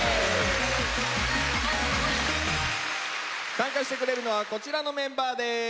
参加してくれるのはこちらのメンバーです。